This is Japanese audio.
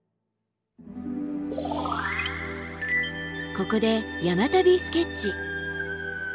ここで「山旅スケッチ」。